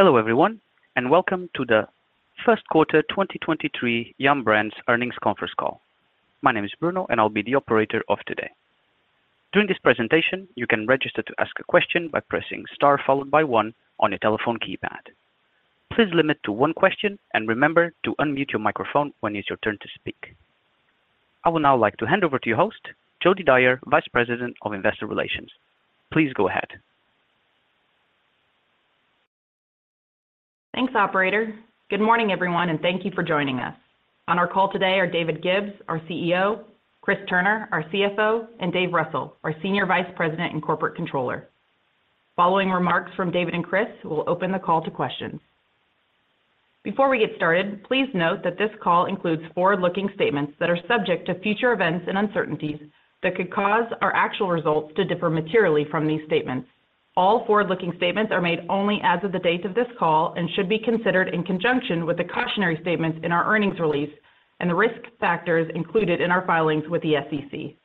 Hello everyone, welcome to the First Quarter 2023 Yum! Brands Earnings Conference Call. My name is Bruno, I'll be the operator of today. During this presentation, you can register to ask a question by pressing star followed by one on your telephone keypad. Please limit to one question and remember to unmute your microphone when it's your turn to speak. I would now like to hand over to your host, Jodi Dyer, Vice President of Investor Relations. Please go ahead. Thanks, operator. Good morning, everyone, and thank you for joining us. On our call today are David Gibbs, our CEO, Chris Turner, our CFO, and David Russell, our Senior Vice President and Corporate Controller. Following remarks from David and Chris, we'll open the call to questions. Before we get started, please note that this call includes forward-looking statements that are subject to future events and uncertainties that could cause our actual results to differ materially from these statements. All forward-looking statements are made only as of the date of this call and should be considered in conjunction with the cautionary statements in our earnings release and the risk factors included in our filings with the SEC.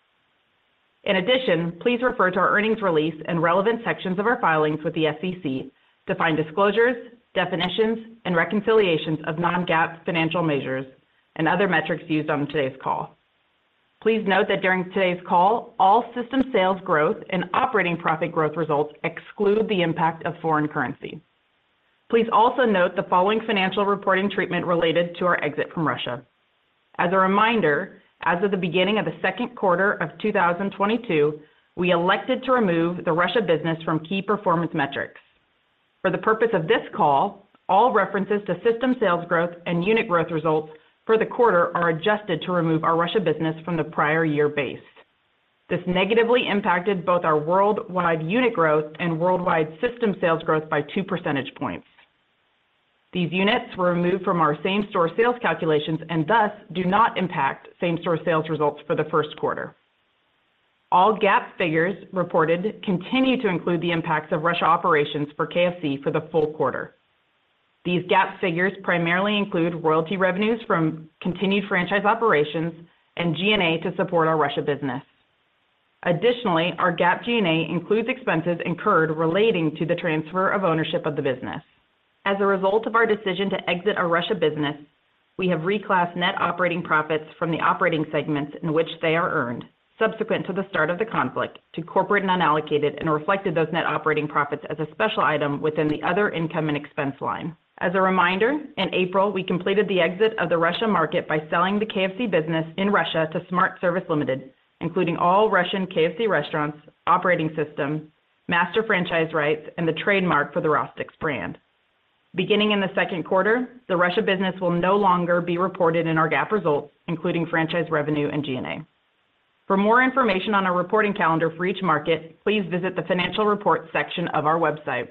Please refer to our earnings release and relevant sections of our filings with the SEC to find disclosures, definitions, and reconciliations of non-GAAP financial measures and other metrics used on today's call. Please note that during today's call, all system sales growth and operating profit growth results exclude the impact of foreign currency. Please also note the following financial reporting treatment related to our exit from Russia. As a reminder, as of the beginning of the second quarter of 2022, we elected to remove the Russia business from key performance metrics. For the purpose of this call, all references to system sales growth and unit growth results for the quarter are adjusted to remove our Russia business from the prior year base. This negatively impacted both our worldwide unit growth and worldwide system sales growth by 2 percentage points. These units were removed from our same-store sales calculations and thus do not impact same-store sales results for the first quarter. All GAAP figures reported continue to include the impacts of Russia operations for KFC for the full quarter. These GAAP figures primarily include royalty revenues from continued franchise operations and G&A to support our Russia business. Additionally, our GAAP G&A includes expenses incurred relating to the transfer of ownership of the business. As a result of our decision to exit our Russia business, we have reclassed net operating profits from the operating segments in which they are earned subsequent to the start of the conflict to corporate and unallocated, and reflected those net operating profits as a special item within the other income and expense line. As a reminder, in April, we completed the exit of the Russia market by selling the KFC business in Russia to Smart Service Ltd., including all Russian KFC restaurants, operating system, master franchise rights, and the trademark for the Rostic's brand. Beginning in the second quarter, the Russia business will no longer be reported in our GAAP results, including franchise revenue and G&A. For more information on our reporting calendar for each market, please visit the financial report section of our website.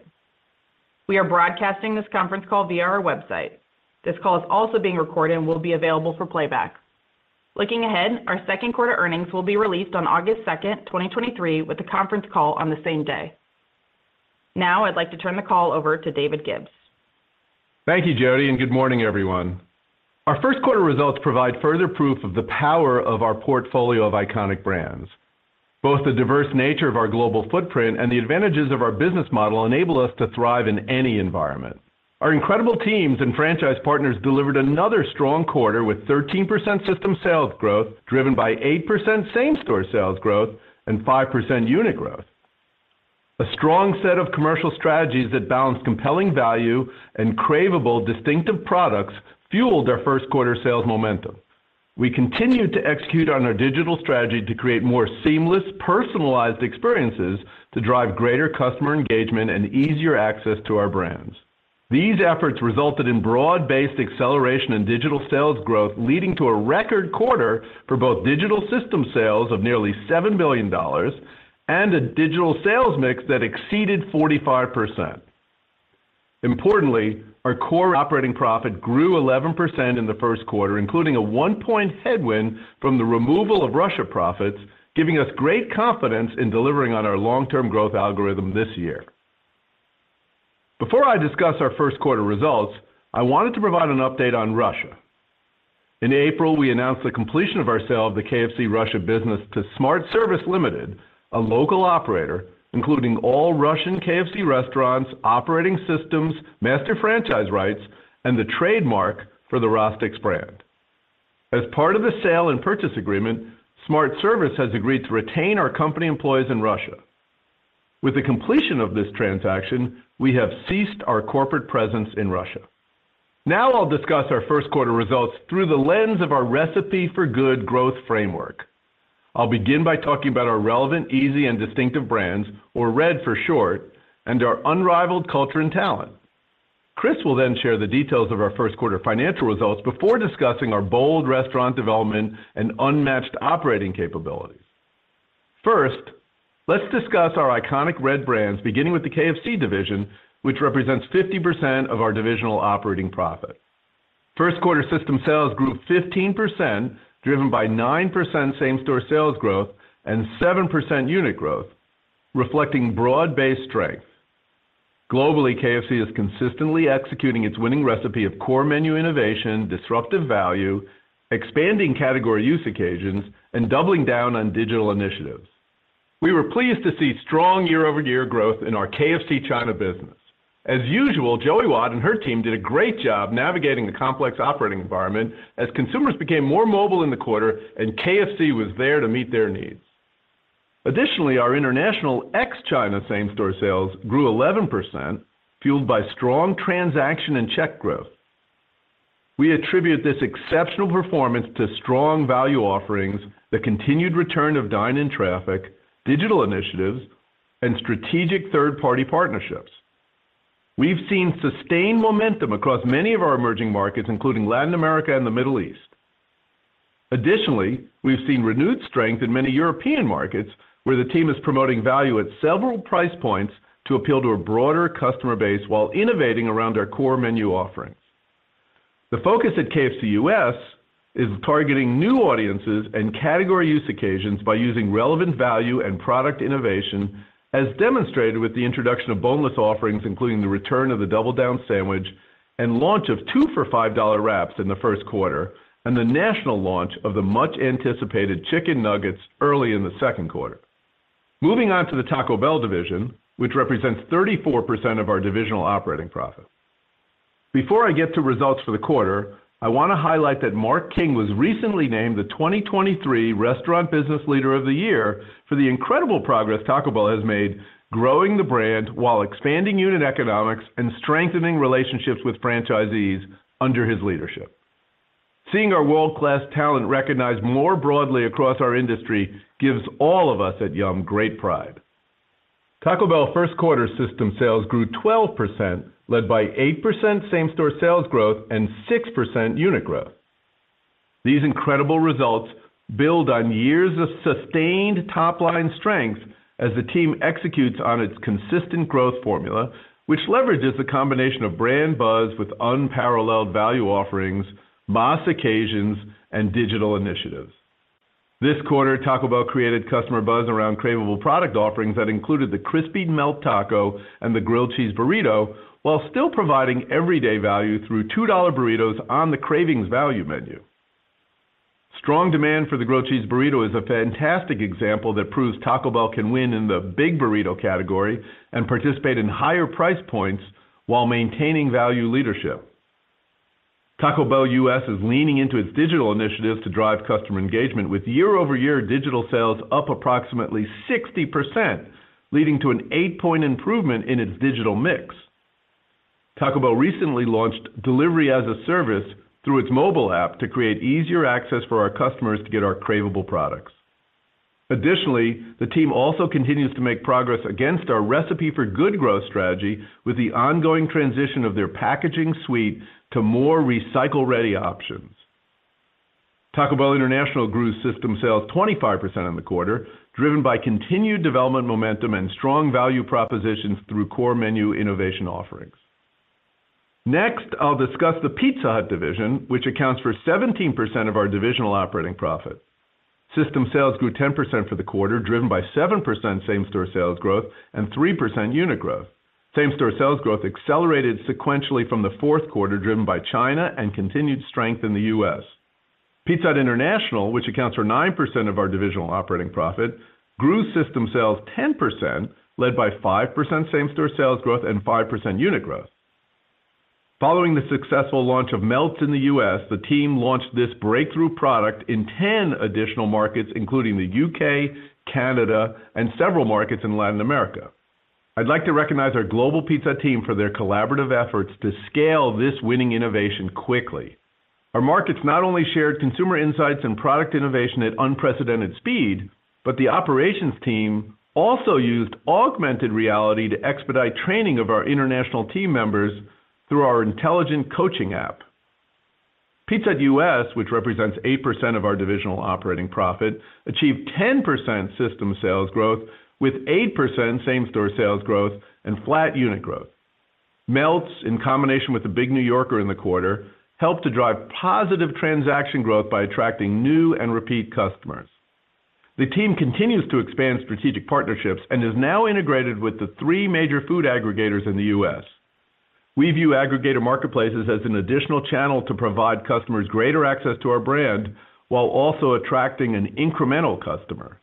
We are broadcasting this conference call via our website. This call is also being recorded and will be available for playback. Looking ahead, our second quarter earnings will be released on August 2nd, 2023, with a conference call on the same day. Now I'd like to turn the call over to David Gibbs. Thank you, Jodi, and good morning, everyone. Our first quarter results provide further proof of the power of our portfolio of iconic brands. Both the diverse nature of our global footprint and the advantages of our business model enable us to thrive in any environment. Our incredible teams and franchise partners delivered another strong quarter with 13% system sales growth, driven by 8% same-store sales growth and 5% unit growth. A strong set of commercial strategies that balance compelling value and craveable distinctive products fueled our first quarter sales momentum. We continued to execute on our digital strategy to create more seamless, personalized experiences to drive greater customer engagement and easier access to our brands. These efforts resulted in broad-based acceleration in digital sales growth, leading to a record quarter for both digital system sales of nearly $7 million and a digital sales mix that exceeded 45%. Importantly, our core operating profit grew 11% in the first quarter, including a 1-point headwind from the removal of Russia profits, giving us great confidence in delivering on our long-term growth algorithm this year. I wanted to provide an update on Russia. In April, we announced the completion of our sale of the KFC Russia business to Smart Service Ltd., a local operator, including all Russian KFC restaurants, operating systems, master franchise rights, and the trademark for the Rostic's brand. As part of the sale and purchase agreement, Smart Service has agreed to retain our company employees in Russia. With the completion of this transaction, we have ceased our corporate presence in Russia. I'll discuss our first quarter results through the lens of our Recipe for Good Growth framework. I'll begin by talking about our relevant, easy, and distinctive brands, or RED for short, and our unrivaled culture and talent. Chris will share the details of our first quarter financial results before discussing our bold restaurant development and unmatched operating capabilities. Let's discuss our iconic RED brands, beginning with the KFC division, which represents 50% of our divisional operating profit. First quarter system sales grew 15%, driven by 9% same-store sales growth and 7% unit growth, reflecting broad-based strength. Globally, KFC is consistently executing its winning recipe of core menu innovation, disruptive value, expanding category use occasions, and doubling down on digital initiatives. We were pleased to see strong year-over-year growth in our KFC China business. As usual, Joey Wat and her team did a great job navigating the complex operating environment as consumers became more mobile in the quarter and KFC was there to meet their needs. Our international ex China same-store sales grew 11% fueled by strong transaction and check growth. We attribute this exceptional performance to strong value offerings, the continued return of dine-in traffic, digital initiatives, and strategic third-party partnerships. We've seen sustained momentum across many of our emerging markets, including Latin America and the Middle East. We've seen renewed strength in many European markets where the team is promoting value at several price points to appeal to a broader customer base while innovating around our core menu offerings. The focus at KFC U.S. is targeting new audiences and category use occasions by using relevant value and product innovation as demonstrated with the introduction of boneless offerings, including the return of the Double Down sandwich and launch of two for $5 wraps in the first quarter and the national launch of the much anticipated chicken nuggets early in the second quarter. Moving on to the Taco Bell division, which represents 34% of our divisional operating profit. Before I get to results for the quarter, I want to highlight that Mark King was recently named the 2023 Restaurant Business Leader of the Year for the incredible progress Taco Bell has made growing the brand while expanding unit economics and strengthening relationships with franchisees under his leadership. Seeing our world-class talent recognized more broadly across our industry gives all of us at Yum! great pride. Taco Bell first quarter system sales grew 12% led by 8% same-store sales growth and 6% unit growth. These incredible results build on years of sustained top-line strength as the team executes on its consistent growth formula, which leverages the combination of brand buzz with unparalleled value offerings, boss occasions, and digital initiatives. This quarter, Taco Bell created customer buzz around craveable product offerings that included the Crispy Melt Taco and the Grilled Cheese Burrito while still providing everyday value through $2 burritos on the Cravings Value Menu. Strong demand for the Grilled Cheese Burrito is a fantastic example that proves Taco Bell can win in the big burrito category and participate in higher price points while maintaining value leadership. Taco Bell U.S. is leaning into its digital initiatives to drive customer engagement with year-over-year digital sales up approximately 60% leading to an 8-point improvement in its digital mix. Taco Bell recently launched delivery as a service through its mobile app to create easier access for our customers to get our craveable products. Additionally, the team also continues to make progress against our Recipe for Good Growth strategy with the ongoing transition of their packaging suite to more recycle-ready options. Taco Bell International grew system sales 25% in the quarter, driven by continued development momentum and strong value propositions through core menu innovation offerings. Next, I'll discuss the Pizza Hut division, which accounts for 17% of our divisional operating profit. System sales grew 10% for the quarter, driven by 7% same-store sales growth and 3% unit growth. Same-store sales growth accelerated sequentially from the fourth quarter, driven by China and continued strength in the U.S. Pizza Hut International, which accounts for 9% of our divisional operating profit, grew system sales 10% led by 5% same-store sales growth and 5% unit growth. Following the successful launch of Melts in the U.S., the team launched this breakthrough product in 10 additional markets, including the U.K., Canada, and several markets in Latin America. I'd like to recognize our global Pizza Hut team for their collaborative efforts to scale this winning innovation quickly. Our markets not only shared consumer insights and product innovation at unprecedented speed, but the operations team also used augmented reality to expedite training of our international team members through our intelligent coaching app. Pizza Hut U.S., which represents 8% of our divisional operating profit, achieved 10% system sales growth with 8% same-store sales growth and flat unit growth. Melts, in combination with The Big New Yorker in the quarter, helped to drive positive transaction growth by attracting new and repeat customers. The team continues to expand strategic partnerships and is now integrated with the three major food aggregators in the U.S. We view aggregator marketplaces as an additional channel to provide customers greater access to our brand while also attracting an incremental customer.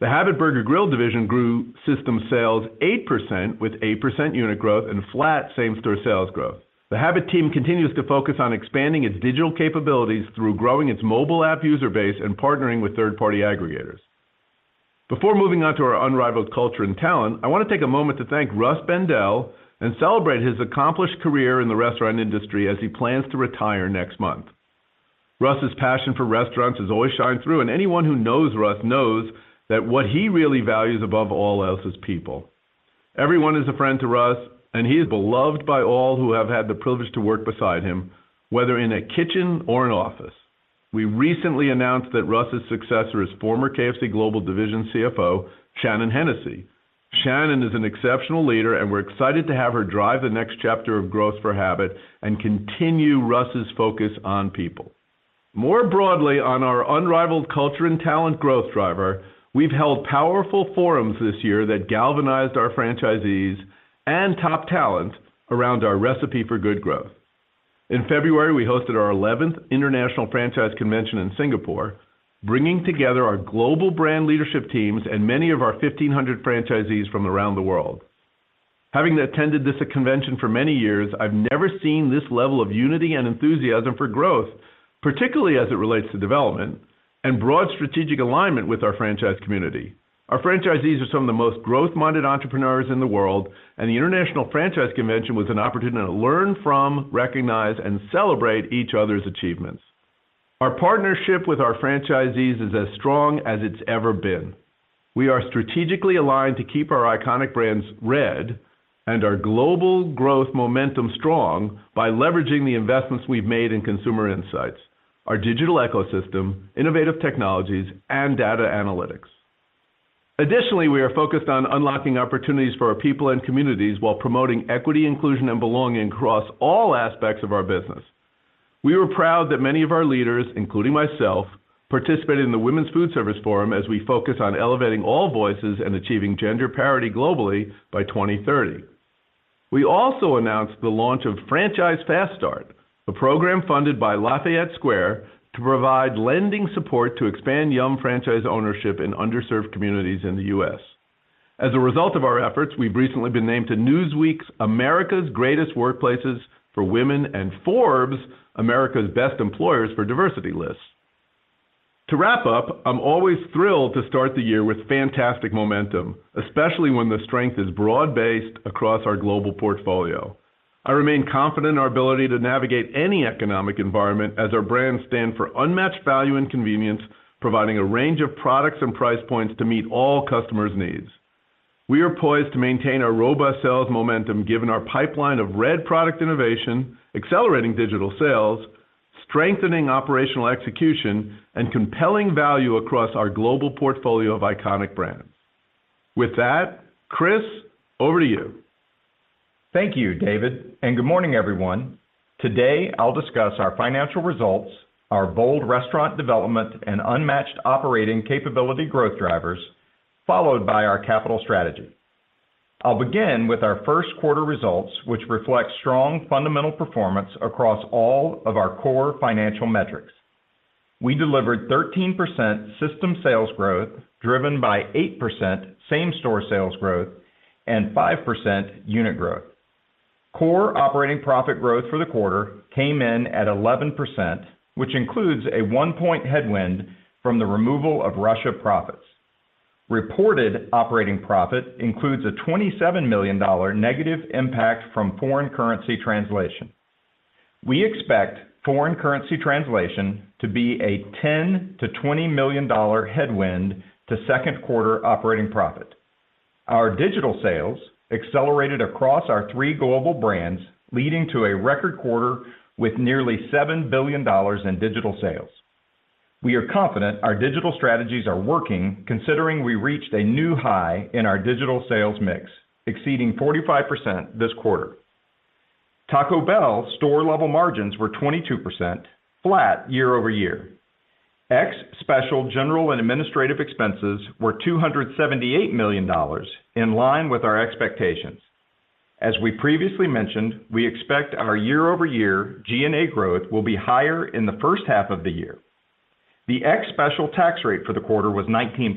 The Habit Burger Grill division grew system sales 8% with 8% unit growth and flat same-store sales growth. The Habit team continues to focus on expanding its digital capabilities through growing its mobile app user base and partnering with third-party aggregators. Before moving on to our unrivaled culture and talent, I want to take a moment to thank Russ Bendel and celebrate his accomplished career in the restaurant industry as he plans to retire next month. Russ's passion for restaurants has always shined through, and anyone who knows Russ knows that what he really values above all else is people. Everyone is a friend to Russ, and he is beloved by all who have had the privilege to work beside him, whether in a kitchen or an office. We recently announced that Russ's successor is former KFC global division CFO, Shannon Hennessy. Shannon is an exceptional leader, and we're excited to have her drive the next chapter of growth for Habit and continue Russ's focus on people. More broadly, on our unrivaled culture and talent growth driver, we've held powerful forums this year that galvanized our franchisees and top talent around our Recipe for Good Growth. In February, we hosted our 11th International Franchise Convention in Singapore, bringing together our global brand leadership teams and many of our 1,500 franchisees from around the world. Having attended this convention for many years, I've never seen this level of unity and enthusiasm for growth, particularly as it relates to development and broad strategic alignment with our franchise community. Our franchisees are some of the most growth-minded entrepreneurs in the world, and the International Franchise Convention was an opportunity to learn from, recognize, and celebrate each other's achievements. Our partnership with our franchisees is as strong as it's ever been. We are strategically aligned to keep our iconic brands RED and our global growth momentum strong by leveraging the investments we've made in consumer insights, our digital ecosystem, innovative technologies, and data analytics. We are focused on unlocking opportunities for our people and communities while promoting equity, inclusion, and belonging across all aspects of our business. We were proud that many of our leaders, including myself, participated in the Women's Foodservice Forum as we focus on elevating all voices and achieving gender parity globally by 2030. We also announced the launch of Franchise Fast Start, a program funded by Lafayette Square to provide lending support to expand Yum! franchise ownership in underserved communities in the U.S. As a result of our efforts, we've recently been named to Newsweek's America's Greatest Workplaces for Women and Forbes' America's Best Employers for Diversity lists. To wrap up, I'm always thrilled to start the year with fantastic momentum, especially when the strength is broad-based across our global portfolio. I remain confident in our ability to navigate any economic environment as our brands stand for unmatched value and convenience, providing a range of products and price points to meet all customers' needs. We are poised to maintain our robust sales momentum given our pipeline of RED product innovation, accelerating digital sales, strengthening operational execution, and compelling value across our global portfolio of iconic brands. With that, Chris, over to you. Thank you, David. Good morning, everyone. Today, I'll discuss our financial results, our bold restaurant development, and unmatched operating capability growth drivers, followed by our capital strategy. I'll begin with our first quarter results, which reflect strong fundamental performance across all of our core financial metrics. We delivered 13% system sales growth, driven by 8% same-store sales growth and 5% unit growth. Core operating profit growth for the quarter came in at 11%, which includes a 1-point headwind from the removal of Russia profits. Reported operating profit includes a $27 million negative impact from foreign currency translation. We expect foreign currency translation to be a $10 million-$20 million headwind to second quarter operating profit. Our digital sales accelerated across our three global brands, leading to a record quarter with nearly $7 billion in digital sales. We are confident our digital strategies are working considering we reached a new high in our digital sales mix, exceeding 45% this quarter. Taco Bell store-level margins were 22%, flat year-over-year. Ex special general and administrative expenses were $278 million, in line with our expectations. As we previously mentioned, we expect our year-over-year G&A growth will be higher in the first half of the year. The ex special tax rate for the quarter was 19%.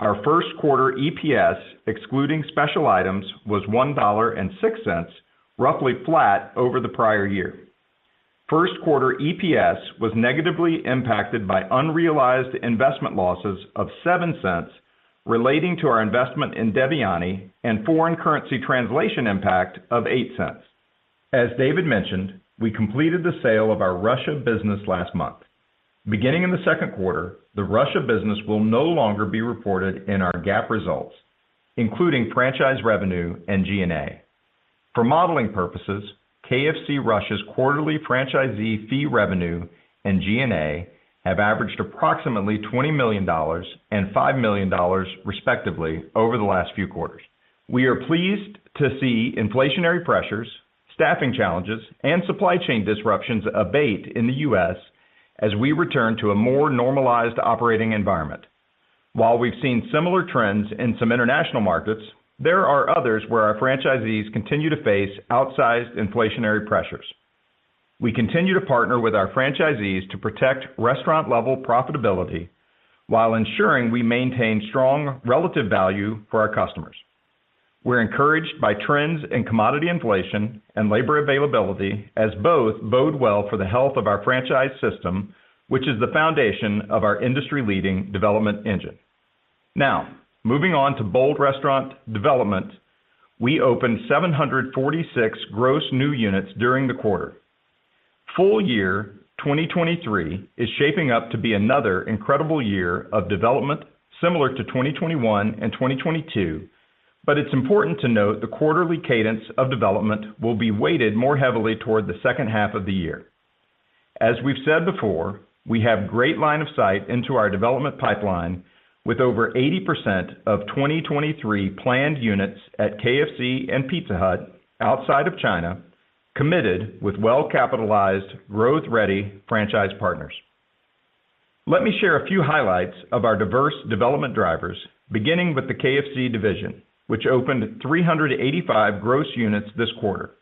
Our first quarter EPS, excluding special items, was $1.06, roughly flat over the prior year. First quarter EPS was negatively impacted by unrealized investment losses of $0.07 relating to our investment in Devyani and foreign currency translation impact of $0.08. As David mentioned, we completed the sale of our Russia business last month. Beginning in the second quarter, the Russia business will no longer be reported in our GAAP results, including franchise revenue and G&A. For modeling purposes, KFC Russia's quarterly franchisee fee revenue and G&A have averaged approximately $20 million and $5 million respectively over the last few quarters. We are pleased to see inflationary pressures, staffing challenges, and supply chain disruptions abate in the U.S. as we return to a more normalized operating environment. While we've seen similar trends in some international markets, there are others where our franchisees continue to face outsized inflationary pressures. We continue to partner with our franchisees to protect restaurant-level profitability while ensuring we maintain strong relative value for our customers. We're encouraged by trends in commodity inflation and labor availability as both bode well for the health of our franchise system, which is the foundation of our industry-leading development engine. Now, moving on to bold restaurant development, we opened 746 gross new units during the quarter. Full year 2023 is shaping up to be another incredible year of development similar to 2021 and 2022, but it's important to note the quarterly cadence of development will be weighted more heavily toward the second half of the year. As we've said before, we have great line of sight into our development pipeline with over 80% of 2023 planned units at KFC and Pizza Hut outside of China committed with well-capitalized, growth-ready franchise partners. Let me share a few highlights of our diverse development drivers, beginning with the KFC division, which opened 385 gross units this quarter.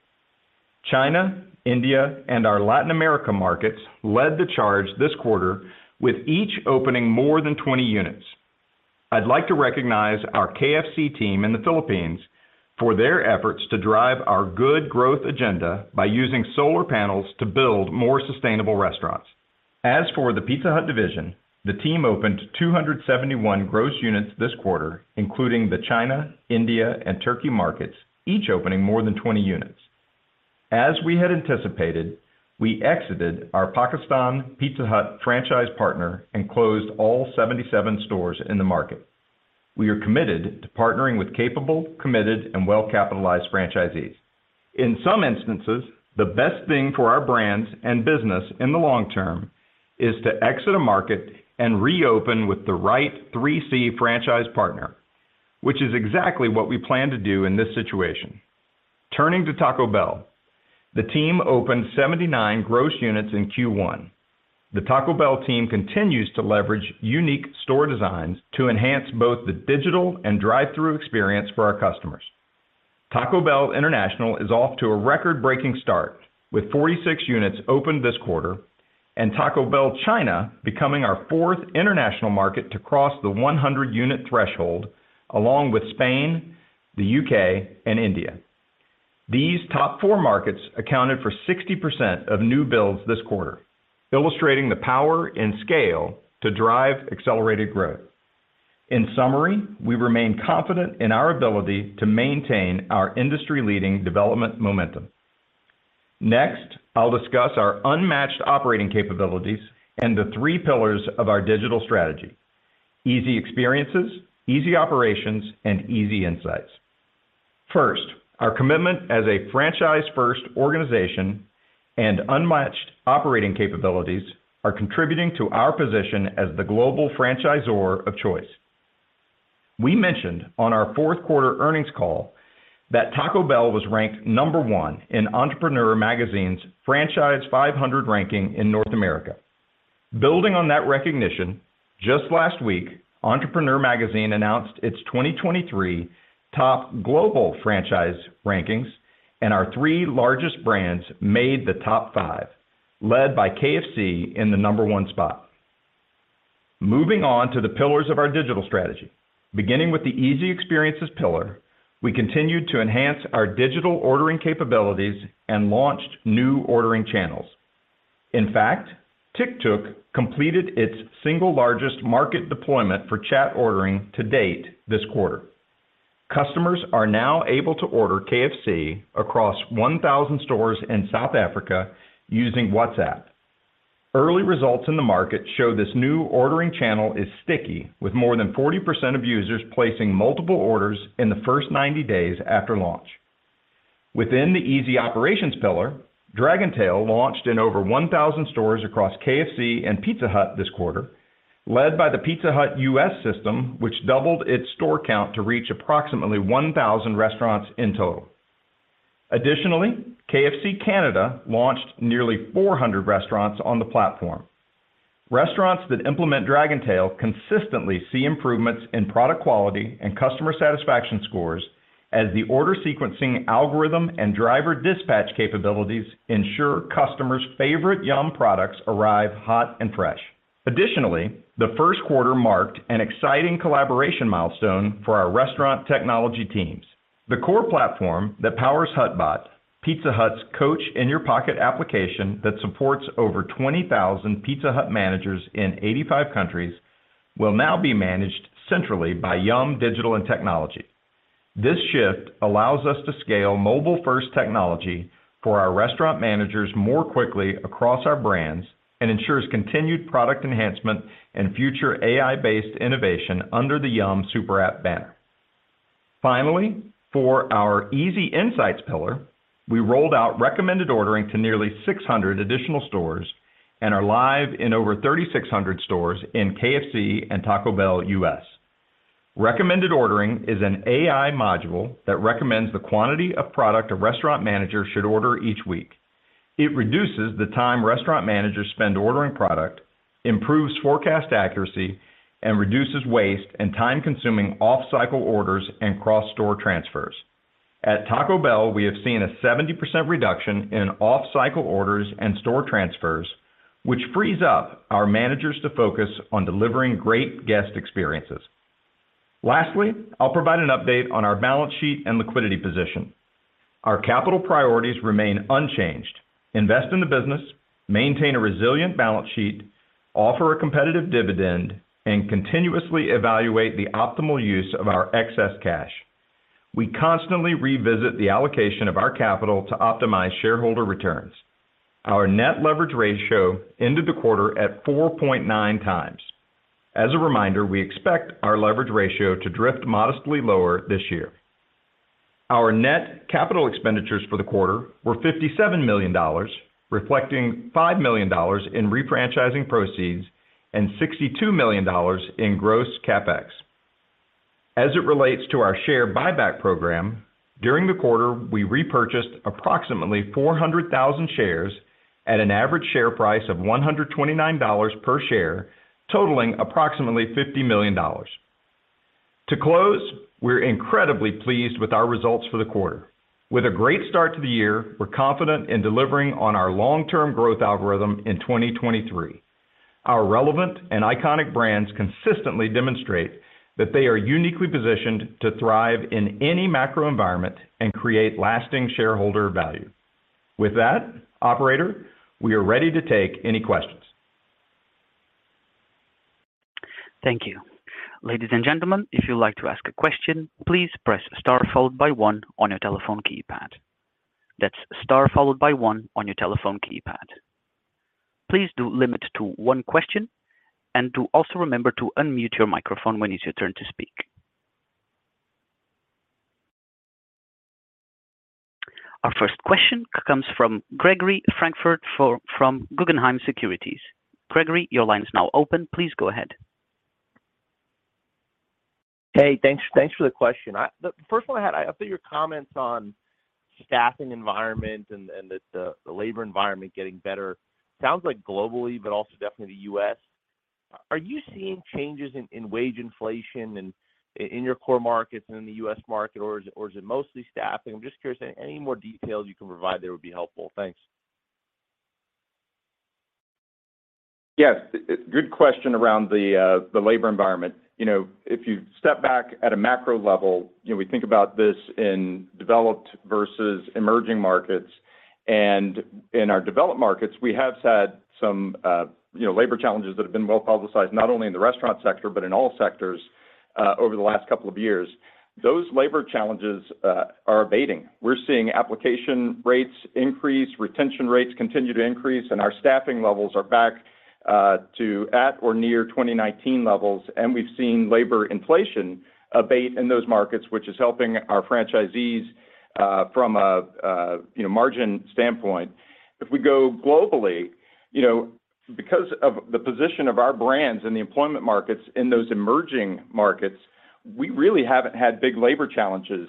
China, India, and our Latin America markets led the charge this quarter with each opening more than 20 units. For the KFC team in the Philippines for their efforts to drive our good growth agenda by using solar panels to build more sustainable restaurants. For the Pizza Hut division, the team opened 271 gross units this quarter, including the China, India, and Turkey markets, each opening more than 20 units. We had anticipated, we exited our Pakistan Pizza Hut franchise partner and closed all 77 stores in the market. We are committed to partnering with capable, committed, and well-capitalized franchisees. In some instances, the best thing for our brands and business in the long term is to exit a market and reopen with the right 3C franchise partner, which is exactly what we plan to do in this situation. Turning to Taco Bell, the team opened 79 gross units in Q1. The Taco Bell team continues to leverage unique store designs to enhance both the digital and drive-thru experience for our customers. Taco Bell International is off to a record-breaking start with 46 units opened this quarter, and Taco Bell China becoming our fourth international market to cross the 100 unit threshold along with Spain, the U.K., and India. These top four markets accounted for 60% of new builds this quarter, illustrating the power and scale to drive accelerated growth. In summary, we remain confident in our ability to maintain our industry-leading development momentum. Next, I'll discuss our unmatched operating capabilities and the three pillars of our digital strategy: easy experiences, easy operations, and easy insights. First, our commitment as a franchise-first organization and unmatched operating capabilities are contributing to our position as the global franchisor of choice. We mentioned on our fourth quarter earnings call that Taco Bell was ranked number one in Entrepreneur Magazine's Franchise 500 ranking in North America. Building on that recognition, just last week, Entrepreneur Magazine announced its 2023 top global franchise rankings, and our three largest brands made the top five, led by KFC in the number one spot. Moving on to the pillars of our digital strategy. Beginning with the easy experiences pillar, we continued to enhance our digital ordering capabilities and launched new ordering channels. In fact, TikTok completed its single largest market deployment for chat ordering to date this quarter. Customers are now able to order KFC across 1,000 stores in South Africa using WhatsApp. Early results in the market show this new ordering channel is sticky, with more than 40% of users placing multiple orders in the first 90 days after launch. Within the easy operations pillar, Dragontail launched in over 1,000 stores across KFC and Pizza Hut this quarter, led by the Pizza Hut U.S. system, which doubled its store count to reach approximately 1,000 restaurants in total. KFC Canada launched nearly 400 restaurants on the platform. Restaurants that implement Dragontail consistently see improvements in product quality and customer satisfaction scores as the order sequencing algorithm and driver dispatch capabilities ensure customers' favorite Yum! products arrive hot and fresh. The first quarter marked an exciting collaboration milestone for our restaurant technology teams. The core platform that powers HutBot, Pizza Hut's coach in your pocket application that supports over 20,000 Pizza Hut managers in 85 countries, will now be managed centrally by Yum Digital and Technology. This shift allows us to scale mobile-first technology for our restaurant managers more quickly across our brands and ensures continued product enhancement and future AI-based innovation under the Yum! SuperApp banner. For our easy insights pillar, we rolled out recommended ordering to nearly 600 additional stores and are live in over 3,600 stores in KFC and Taco Bell U.S. Recommended ordering is an AI module that recommends the quantity of product a restaurant manager should order each week. It reduces the time restaurant managers spend ordering product, improves forecast accuracy, and reduces waste and time-consuming off-cycle orders and cross-store transfers. At Taco Bell, we have seen a 70% reduction in off-cycle orders and store transfers, which frees up our managers to focus on delivering great guest experiences. I'll provide an update on our balance sheet and liquidity position. Our capital priorities remain unchanged. Invest in the business, maintain a resilient balance sheet, offer a competitive dividend, and continuously evaluate the optimal use of our excess cash. We constantly revisit the allocation of our capital to optimize shareholder returns. Our net leverage ratio ended the quarter at 4.9x. As a reminder, we expect our leverage ratio to drift modestly lower this year. Our net capital expenditures for the quarter were $57 million, reflecting $5 million in refranchising proceeds and $62 million in gross CapEx. As it relates to our share buyback program during the quarter, we repurchased approximately 400,000 shares at an average share price of $129 per share, totaling approximately $50 million. To close, we're incredibly pleased with our results for the quarter. With a great start to the year, we're confident in delivering on our long-term growth algorithm in 2023. Our relevant and iconic brands consistently demonstrate that they are uniquely positioned to thrive in any macro environment and create lasting shareholder value. With that, operator, we are ready to take any questions. Thank you. Ladies and gentlemen, if you'd like to ask a question, please press star followed by one on your telephone keypad. That's star followed by one on your telephone keypad. Please do limit to one question and do also remember to unmute your microphone when it's your turn to speak. Our first question comes from Gregory Francfort from Guggenheim Securities. Gregory, your line is now open. Please go ahead. Hey, thanks for the question. The first one I had, I thought your comments on staffing environment and the labor environment getting better sounds like globally, but also definitely the U.S. Are you seeing changes in wage inflation and in your core markets and in the U.S. market, or is it mostly staffing? I'm just curious any more details you can provide there would be helpful. Thanks. Yes. Good question around the labor environment. You know, if you step back at a macro level, you know, we think about this in developed versus emerging markets. In our developed markets, we have had some, you know, labor challenges that have been well-publicized, not only in the restaurant sector, but in all sectors over the last couple of years. Those labor challenges are abating. We're seeing application rates increase, retention rates continue to increase, and our staffing levels are back to at or near 2019 levels. We've seen labor inflation abate in those markets, which is helping our franchisees from a, you know, margin standpoint. If we go globally, you know, because of the position of our brands in the employment markets in those emerging markets, we really haven't had big labor challenges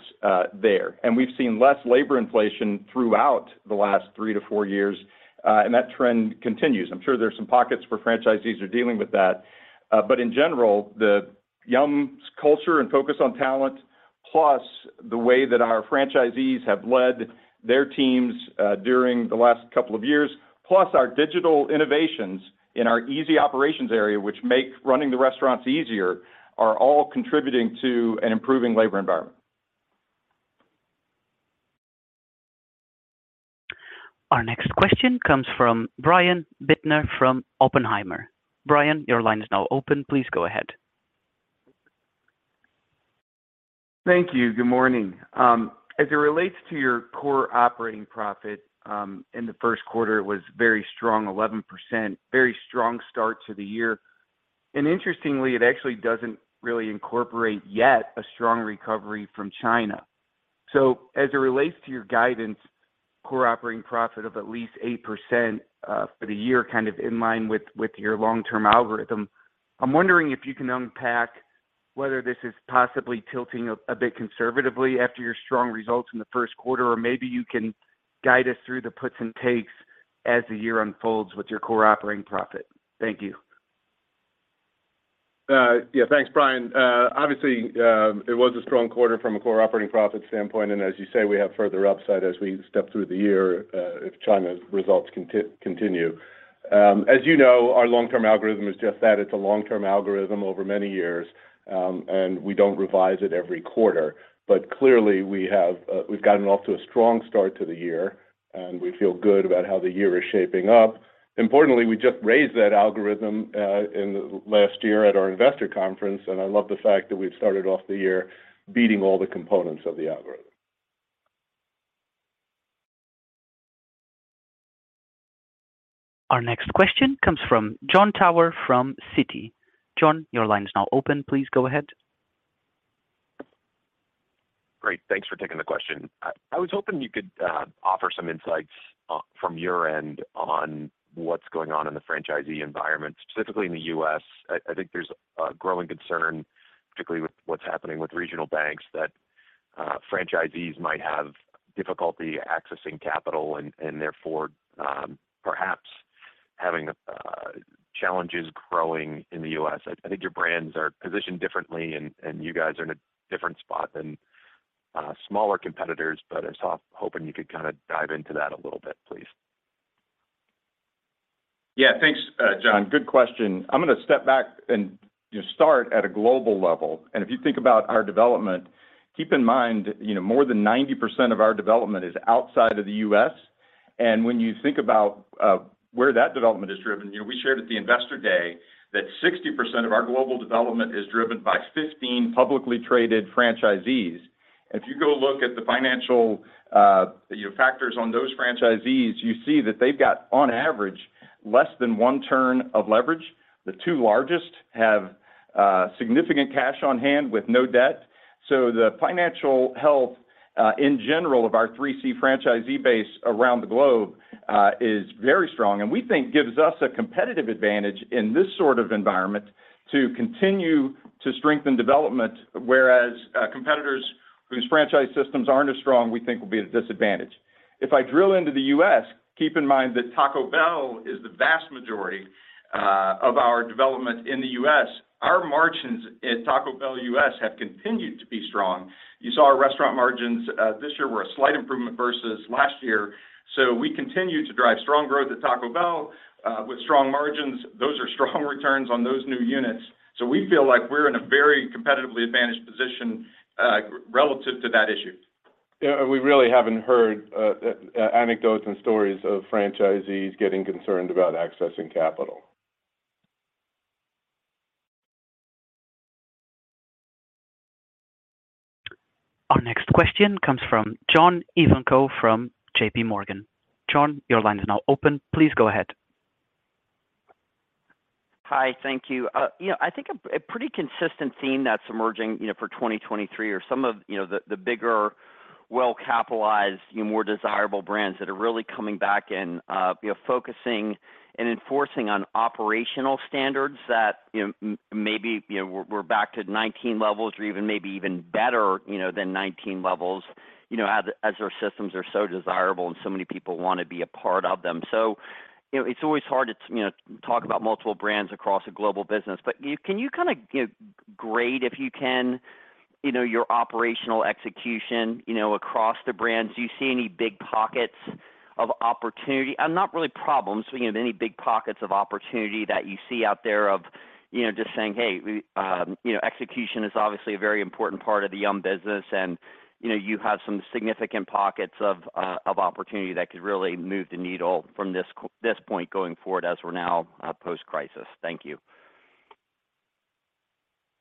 there. We've seen less labor inflation throughout the last three to four years, and that trend continues. I'm sure there are some pockets where franchisees are dealing with that. In general, the Yum's culture and focus on talent, plus the way that our franchisees have led their teams during the last couple of years, plus our digital innovations in our easy operations area, which make running the restaurants easier, are all contributing to an improving labor environment. Our next question comes from Brian Bittner from Oppenheimer. Brian, your line is now open. Please go ahead. Thank you. Good morning. As it relates to your core operating profit, in the first quarter, it was very strong, 11%, very strong start to the year. Interestingly, it actually doesn't really incorporate yet a strong recovery from China. As it relates to your guidance, core operating profit of at least 8%, for the year, kind of in line with your long-term algorithm, I'm wondering if you can unpack whether this is possibly tilting a bit conservatively after your strong results in the first quarter, or maybe you can guide us through the puts and takes as the year unfolds with your core operating profit. Thank you. Yeah. Thanks, Brian. Obviously, it was a strong quarter from a core operating profit standpoint, and as you say, we have further upside as we step through the year, if China's results continue. As you know, our long-term algorithm is just that. It's a long-term algorithm over many years, and we don't revise it every quarter. Clearly, we've gotten off to a strong start to the year, and we feel good about how the year is shaping up. Importantly, I just raised that algorithm in the last year at our Investor Day, and I love the fact that we've started off the year beating all the components of the algorithm. Our next question comes from Jon Tower from Citi. Jon, your line is now open. Please go ahead. Great. Thanks for taking the question. I was hoping you could offer some insights from your end on what's going on in the franchisee environment, specifically in the U.S. I think there's a growing concern, particularly with what's happening with regional banks, that franchisees might have difficulty accessing capital and therefore, perhaps having challenges growing in the U.S. I think your brands are positioned differently and you guys are in a different spot than smaller competitors, but I was hoping you could kinda dive into that a little bit, please. Yeah. Thanks, Jon. Good question. I'm gonna step back and just start at a global level. If you think about our development, keep in mind, you know, more than 90% of our development is outside of the U.S. When you think about where that development is driven, you know, we shared at the Investor Day that 60% of our global development is driven by 15 publicly traded franchisees. If you go look at the financial, you know, factors on those franchisees, you see that they've got on average less than one turn of leverage. The two largest have significant cash on hand with no debt. The financial health, in general of our 3C franchisee base around the globe, is very strong and we think gives us a competitive advantage in this sort of environment to continue to strengthen development, whereas competitors whose franchise systems aren't as strong, we think will be at a disadvantage. If I drill into the U.S., keep in mind that Taco Bell is the vast majority of our development in the U.S. Our margins at Taco Bell U.S. have continued to be strong. You saw our restaurant margins this year were a slight improvement versus last year. We continue to drive strong growth at Taco Bell with strong margins. Those are strong returns on those new units. We feel like we're in a very competitively advantaged position relative to that issue. Yeah. We really haven't heard anecdotes and stories of franchisees getting concerned about accessing capital. Our next question comes from John Ivankoe from JPMorgan. John, your line is now open. Please go ahead. Hi. Thank you. You know, I think a pretty consistent theme that's emerging, you know, for 2023 are some of, you know, the bigger, well-capitalized, you know, more desirable brands that are really coming back and, you know, focusing and enforcing on operational standards that, you know, maybe, you know, we're back to 19 levels or even maybe even better, you know, than 19 levels, you know, as their systems are so desirable and so many people wanna be a part of them. You know, it's always hard to, you know, talk about multiple brands across a global business. Can you kinda, you know, grade if you can, you know, your operational execution, you know, across the brands? Do you see any big pockets of opportunity, and not really problems, but, you know, any big pockets of opportunity that you see out there of, you know, just saying, "Hey, you know, execution is obviously a very important part of the Yum business, and, you know, you have some significant pockets of opportunity that could really move the needle from this point going forward as we're now post-crisis?" Thank you.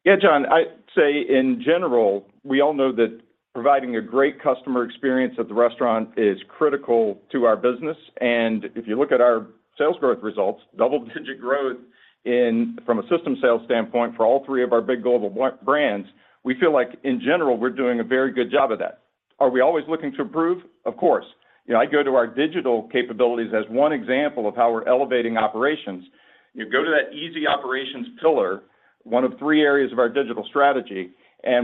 Yeah, John, I'd say in general, we all know that providing a great customer experience at the restaurant is critical to our business. If you look at our sales growth results, double-digit growth from a system sales standpoint for all three of our big global brands, we feel like in general, we're doing a very good job of that. Are we always looking to improve? Of course. You know, I go to our digital capabilities as one example of how we're elevating operations. You go to that easy operations pillar, one of three areas of our digital strategy,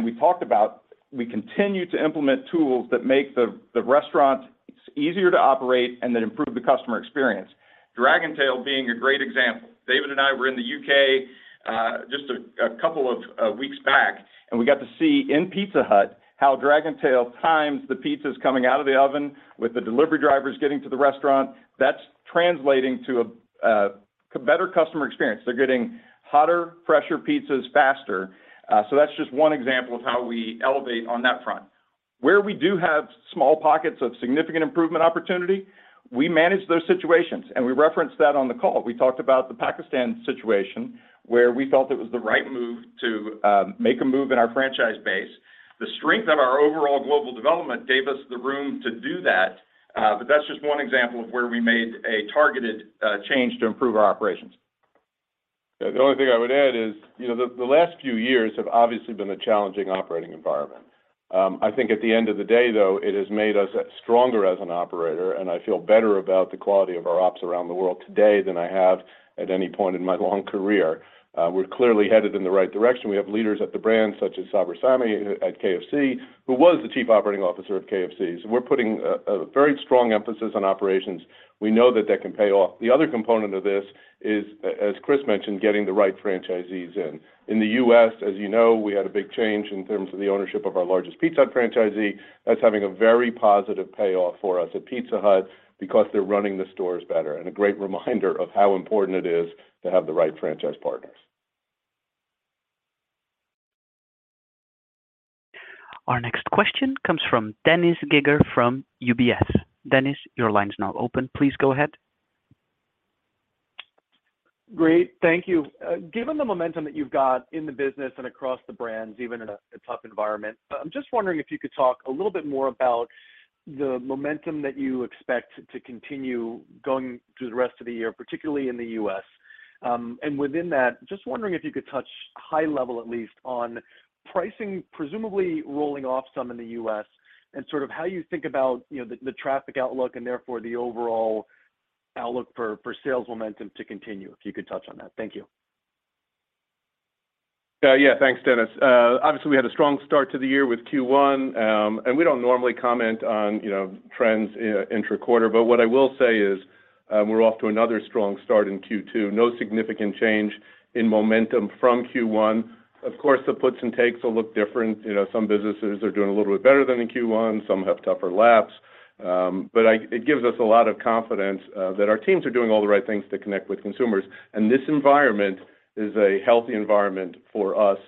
we talked about we continue to implement tools that make the restaurant easier to operate and that improve the customer experience. Dragontail being a great example. David and I were in the U.K. just a couple of weeks back, we got to see in Pizza Hut how Dragontail times the pizzas coming out of the oven with the delivery drivers getting to the restaurant. That's translating to a better customer experience. They're getting hotter, fresher pizzas faster. That's just one example of how we elevate on that front. Where we do have small pockets of significant improvement opportunity, we manage those situations, we referenced that on the call. We talked about the Pakistan situation where we felt it was the right move to make a move in our franchise base. The strength of our overall global development gave us the room to do that's just one example of where we made a targeted change to improve our operations. Yeah. The only thing I would add is, you know, the last few years have obviously been a challenging operating environment. I think at the end of the day, though, it has made us stronger as an operator, and I feel better about the quality of our ops around the world today than I have at any point in my long career. We're clearly headed in the right direction. We have leaders at the brand such as Sabir Sami at KFC, who was the chief operating officer of KFC. We're putting a very strong emphasis on operations. We know that that can pay off. The other component of this is, as Chris mentioned, getting the right franchisees in. In the U.S., as you know, we had a big change in terms of the ownership of our largest Pizza Hut franchisee. That's having a very positive payoff for us at Pizza Hut because they're running the stores better and a great reminder of how important it is to have the right franchise partners. Our next question comes from Dennis Geiger from UBS. Dennis, your line's now open. Please go ahead. Great. Thank you. Given the momentum that you've got in the business and across the brands, even in a tough environment, I'm just wondering if you could talk a little bit more about the momentum that you expect to continue going through the rest of the year, particularly in the U.S. Within that, just wondering if you could touch high level at least on pricing, presumably rolling off some in the U.S. and sort of how you think about, you know, the traffic outlook and therefore the overall outlook for sales momentum to continue, if you could touch on that. Thank you. Yeah. Thanks, Dennis. Obviously, we had a strong start to the year with Q1. We don't normally comment on, you know, trends intra-quarter. What I will say is, we're off to another strong start in Q2. No significant change in momentum from Q1. Of course, the puts and takes will look different. You know, some businesses are doing a little bit better than in Q1, some have tougher laps. It gives us a lot of confidence that our teams are doing all the right things to connect with consumers. This environment is a healthy environment for us,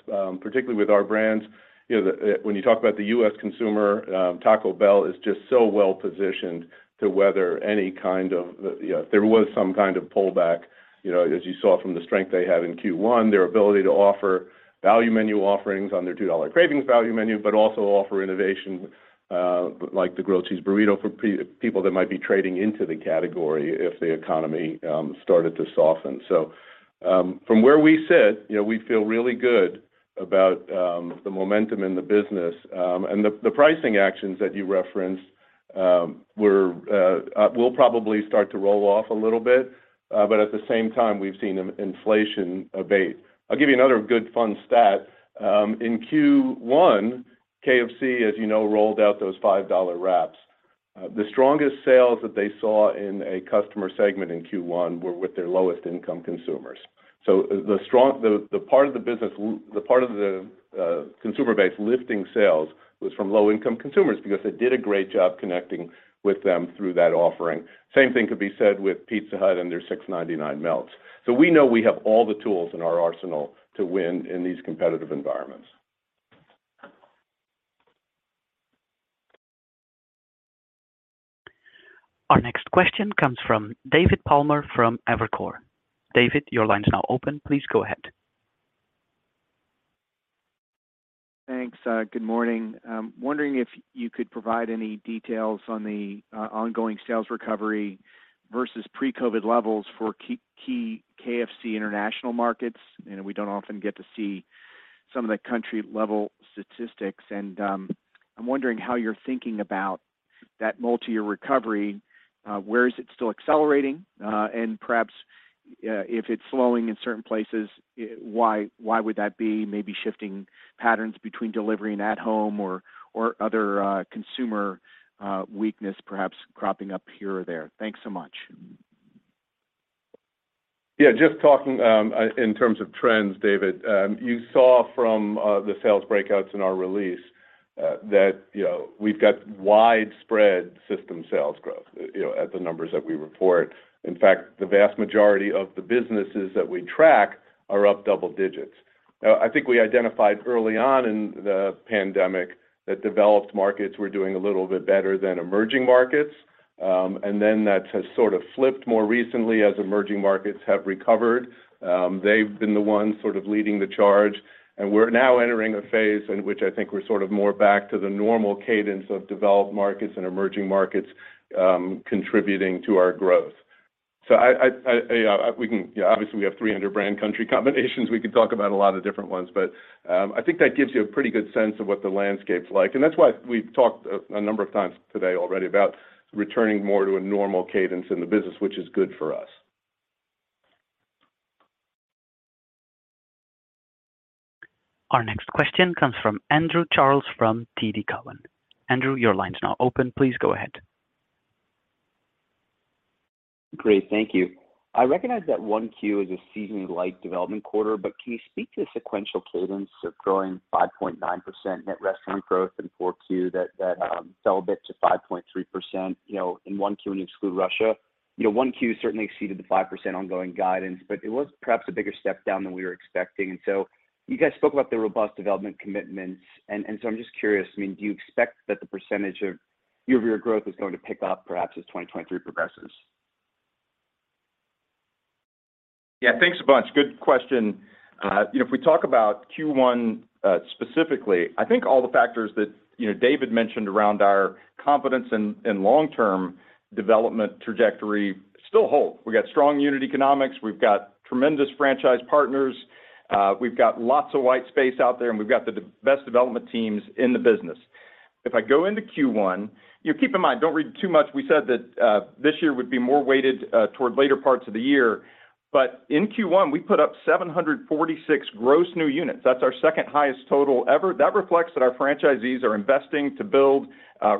particularly with our brands. You know, the when you talk about the U.S. consumer, Taco Bell is just so well-positioned to weather any kind of, you know, if there was some kind of pullback. You know, as you saw from the strength they had in Q1, their ability to offer value menu offerings on their $2 Cravings Value Menu, but also offer innovation, like the Grilled Cheese Burrito for people that might be trading into the category if the economy started to soften. From where we sit, you know, we feel really good about the momentum in the business. The pricing actions that you referenced. We'll probably start to roll off a little bit, but at the same time, we've seen an inflation abate. I'll give you another good fun stat. In Q1, KFC, as you know, rolled out those $5 wraps. The strongest sales that they saw in a customer segment in Q1 were with their lowest income consumers. The part of the consumer base lifting sales was from low-income consumers because they did a great job connecting with them through that offering. Same thing could be said with Pizza Hut and their $6.99 Melts. We know we have all the tools in our arsenal to win in these competitive environments. Our next question comes from David Palmer from Evercore. David, your line is now open. Please go ahead. Thanks. Good morning. Wondering if you could provide any details on the ongoing sales recovery versus pre-COVID levels for key KFC international markets. You know, we don't often get to see some of the country-level statistics. I'm wondering how you're thinking about that multiyear recovery. Where is it still accelerating? And perhaps, if it's slowing in certain places, why would that be maybe shifting patterns between delivery and at home or other consumer weakness perhaps cropping up here or there? Thanks so much. Yeah, just talking in terms of trends, David, you saw from the sales breakouts in our release that, you know, we've got widespread system sales growth, you know, at the numbers that we report. In fact, the vast majority of the businesses that we track are up double digits. Now, I think we identified early on in the pandemic that developed markets were doing a little bit better than emerging markets. That has sort of flipped more recently as emerging markets have recovered. They've been the ones sort of leading the charge, we're now entering a phase in which I think we're sort of more back to the normal cadence of developed markets and emerging markets, contributing to our growth. I, you know, obviously, we have 300 brand country combinations. We can talk about a lot of different ones, but, I think that gives you a pretty good sense of what the landscape's like. That's why we've talked a number of times today already about returning more to a normal cadence in the business, which is good for us. Our next question comes from Andrew Charles from TD Cowen. Andrew, your line is now open. Please go ahead. Great. Thank you. I recognize that 1Q is a seasonally light development quarter, but can you speak to the sequential cadence of growing 5.9% net restaurant growth in 4Q that fell a bit to 5.3%, you know, in 1Q when you exclude Russia. You know, 1Q certainly exceeded the 5% ongoing guidance, but it was perhaps a bigger step down than we were expecting. You guys spoke about the robust development commitments. I'm just curious, I mean, do you expect that the percentage of year-over-year growth is going to pick up perhaps as 2023 progresses? Yeah. Thanks a bunch. Good question. you know, if we talk about Q1 specifically, I think all the factors that, you know, David mentioned around our confidence in long-term development trajectory still hold. We've got strong unit economics. We've got tremendous franchise partners. We've got lots of white space out there, and we've got the best development teams in the business. If I go into Q1, you know, keep in mind, don't read too much. We said that this year would be more weighted toward later parts of the year. In Q1, we put up 746 gross new units. That's our second highest total ever. That reflects that our franchisees are investing to build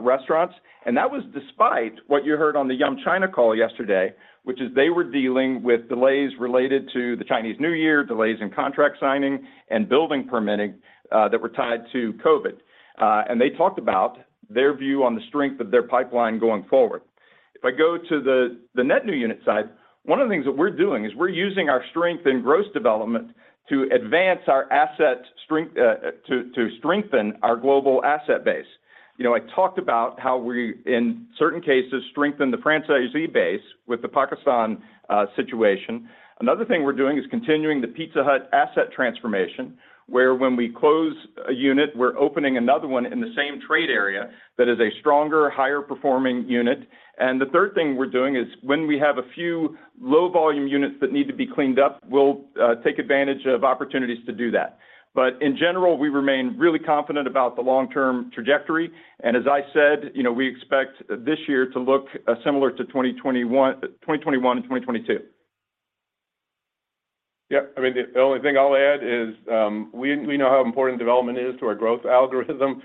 restaurants. That was despite what you heard on the Yum China call yesterday, which is they were dealing with delays related to the Chinese New Year, delays in contract signing and building permitting that were tied to COVID. They talked about their view on the strength of their pipeline going forward. I go to the net new unit side, one of the things that we're doing is we're using our strength in gross development to advance our asset strength to strengthen our global asset base. You know, I talked about how we, in certain cases, strengthened the franchisee base with the Pakistan situation. Another thing we're doing is continuing the Pizza Hut asset transformation, where when we close a unit, we're opening another one in the same trade area that is a stronger, higher performing unit. The third thing we're doing is when we have a few low volume units that need to be cleaned up, we'll take advantage of opportunities to do that. In general, we remain really confident about the long-term trajectory. As I said, you know, we expect this year to look similar to 2021 and 2022. Yeah. I mean, the only thing I'll add is, we know how important development is to our growth algorithm.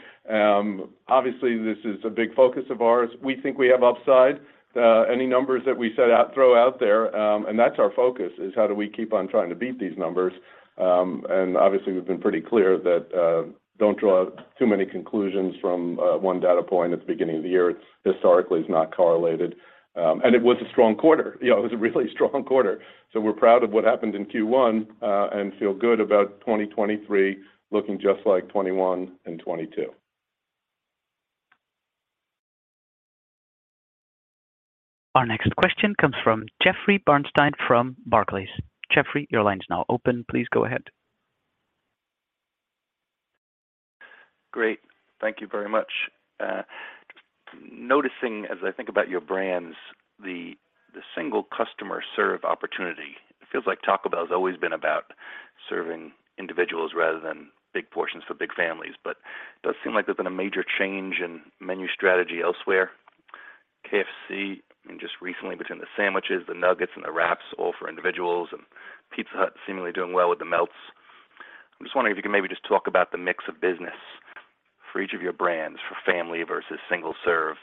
Obviously, this is a big focus of ours. We think we have upside. Any numbers that we throw out there, that's our focus, is how do we keep on trying to beat these numbers. Obviously, we've been pretty clear that don't draw too many conclusions from one data point at the beginning of the year. Historically, it's not correlated. It was a strong quarter. You know, it was a really strong quarter. We're proud of what happened in Q1, and feel good about 2023 looking just like 2021 and 2022. Our next question comes from Jeffrey Bernstein from Barclays. Jeffrey, your line is now open. Please go ahead. Great. Thank you very much. Noticing as I think about your brands, the single customer serve opportunity, it feels like Taco Bell has always been about serving individuals rather than big portions for big families. It does seem like there's been a major change in menu strategy elsewhere. KFC, I mean, just recently between the sandwiches, the nuggets, and the wraps, all for individuals, and Pizza Hut seemingly doing well with the Melts. I'm just wondering if you can maybe just talk about the mix of business for each of your brands for family versus single serve,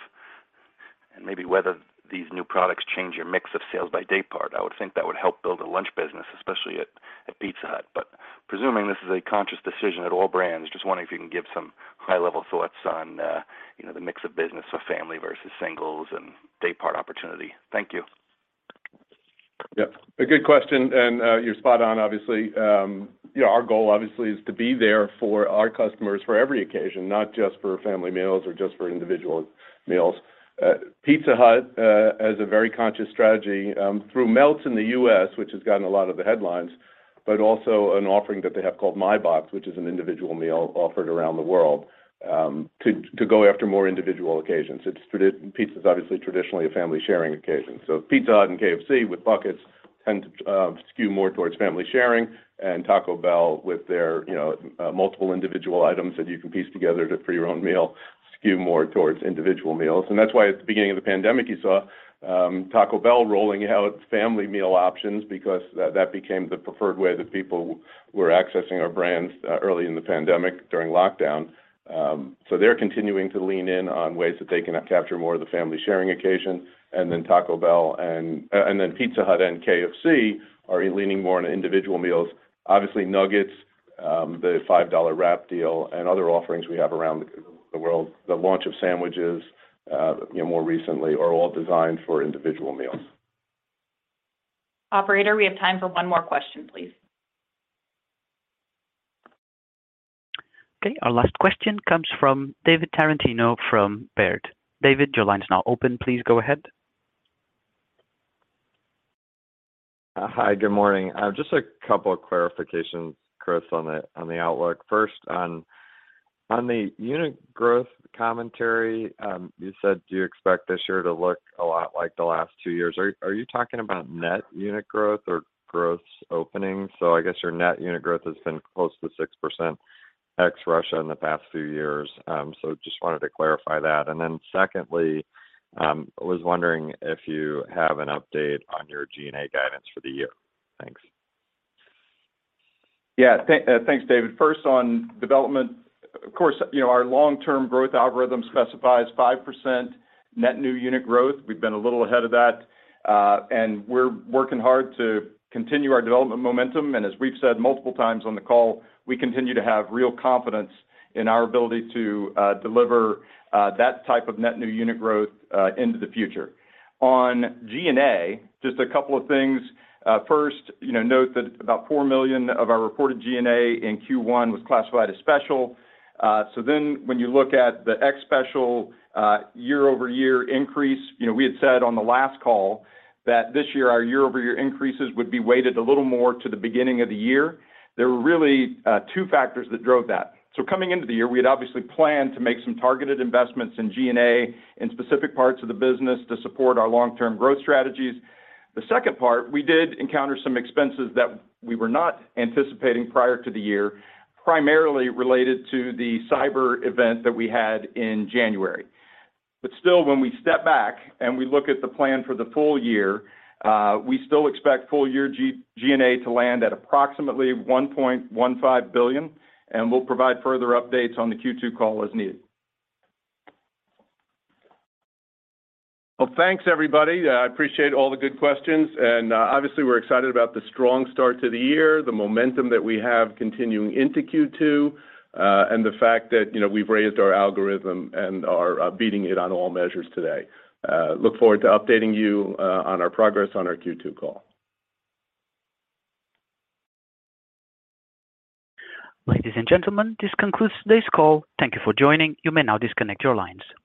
and maybe whether these new products change your mix of sales by day part? I would think that would help build a lunch business, especially at Pizza Hut. Presuming this is a conscious decision at all brands, just wondering if you can give some high-level thoughts on, you know, the mix of business for family versus singles and day part opportunity. Thank you. Yeah. A good question, and you're spot on, obviously. You know, our goal obviously is to be there for our customers for every occasion, not just for family meals or just for individual meals. Pizza Hut, as a very conscious strategy, through Melts in the U.S., which has gotten a lot of the headlines, but also an offering that they have called My Box, which is an individual meal offered around the world, to go after more individual occasions. Pizza is obviously traditionally a family sharing occasion. Pizza Hut and KFC with buckets tend to skew more towards family sharing, and Taco Bell with their, you know, multiple individual items that you can piece together for your own meal skew more towards individual meals. That's why at the beginning of the pandemic you saw Taco Bell rolling out family meal options because that became the preferred way that people were accessing our brands early in the pandemic during lockdown. They're continuing to lean in on ways that they can capture more of the family sharing occasion. Pizza Hut and KFC are leaning more into individual meals. Obviously, nuggets, the $5 wrap deal, and other offerings we have around the world, the launch of sandwiches, you know, more recently, are all designed for individual meals. Operator, we have time for one more question, please. Okay. Our last question comes from David Tarantino from Baird. David, your line is now open. Please go ahead. Hi. Good morning. Just a couple of clarifications, Chris, on the outlook. First, on the unit growth commentary, you said you expect this year to look a lot like the last two years. Are you talking about net unit growth or gross openings? I guess your net unit growth has been close to 6% ex Russia in the past few years. Just wanted to clarify that. Secondly, I was wondering if you have an update on your G&A guidance for the year. Thanks. Thanks, David. First, on development, of course, you know, our long-term growth algorithm specifies 5% net new unit growth. We've been a little ahead of that. We're working hard to continue our development momentum. As we've said multiple times on the call, we continue to have real confidence in our ability to deliver that type of net new unit growth into the future. On G&A, just a couple of things. First, you know, note that about $4 million of our reported G&A in Q1 was classified as special. When you look at the ex special year-over-year increase, you know, we had said on the last call that this year our year-over-year increases would be weighted a little more to the beginning of the year. There were really two factors that drove that. Coming into the year, we had obviously planned to make some targeted investments in G&A in specific parts of the business to support our long-term growth strategies. The second part, we did encounter some expenses that we were not anticipating prior to the year, primarily related to the cyber event that we had in January. Still, when we step back and we look at the plan for the full year, we still expect full year G&A to land at approximately $1.15 billion, and we'll provide further updates on the Q2 call as needed. Thanks, everybody. I appreciate all the good questions. Obviously, we're excited about the strong start to the year, the momentum that we have continuing into Q2, and the fact that, you know, we've raised our algorithm and are beating it on all measures today. Look forward to updating you on our progress on our Q2 call. Ladies and gentlemen, this concludes today's call. Thank you for joining. You may now disconnect your lines. Thank you.